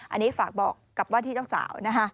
อันนี้ฝากบอกกับว่าที่เจ้าสาวนะคะ